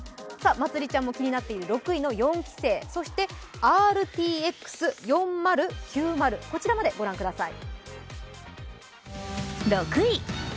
まつりちゃんも気になっている６位の四期生そしてＲＴＸ４０９０、こちらまでご覧ください。